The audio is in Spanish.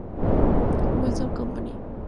Wilson Company.